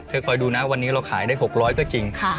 คอยดูนะวันนี้เราขายได้๖๐๐ก็จริง